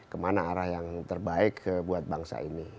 kemana arah yang terbaik buat bangsa ini